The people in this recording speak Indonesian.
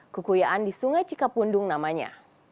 kekuyaan di sungai cikapundung namanya